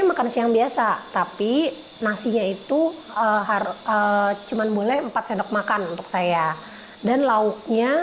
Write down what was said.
makan siang biasa tapi nasinya itu cuman boleh empat sendok makan untuk saya dan lauknya